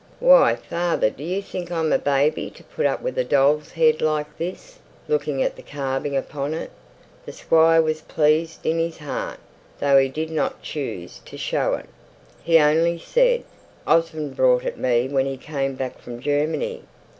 Why, father, do you think I'm a baby to put up with a doll's head like this?" looking at the carving upon it. The Squire was pleased in his heart, though he did not choose to show it. He only said, "Osborne brought it me when he came back from Germany.